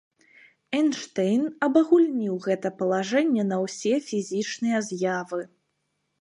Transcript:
Эйнштэйн абагульніў гэта палажэнне на ўсе фізічныя з'явы.